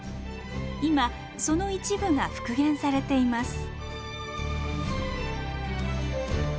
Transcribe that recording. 今その一部が復元されています。